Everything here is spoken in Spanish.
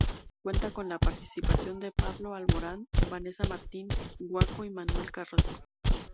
Cuenta con la participación de Pablo Alborán, Vanesa Martín, Guaco y Manuel Carrasco.